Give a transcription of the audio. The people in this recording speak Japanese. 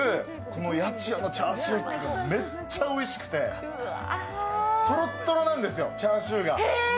この八千代のチャーシューがめっちゃおいしくてとろっとろなんですよ、チャーシューが。